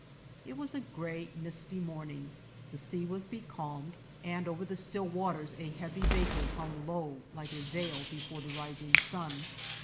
It was a gray, misty morning, the sea was becalmed, and over the still waters a heavy vapor hung low like a veil before the rising sun.